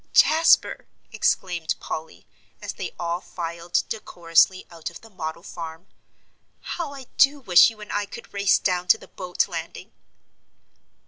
"Jasper," exclaimed Polly, as they all filed decorously out of the "Model Farm," "how I do wish you and I could race down to the boat landing!"